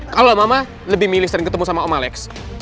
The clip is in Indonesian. kalau mama lebih milih sering ketemu sama om malex